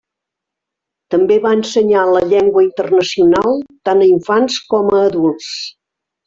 També va ensenyar la llengua internacional, tant a infants com a adults.